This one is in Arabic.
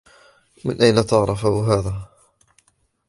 من أينَ تعرف هذا ؟